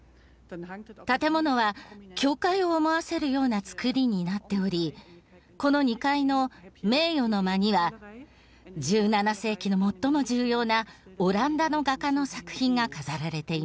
建物は教会を思わせるような造りになっておりこの２階の「名誉の間」には１７世紀の最も重要なオランダの画家の作品が飾られています。